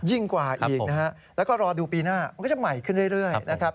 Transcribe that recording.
ยิ่งกว่าอีกนะฮะแล้วก็รอดูปีหน้ามันก็จะใหม่ขึ้นเรื่อยนะครับ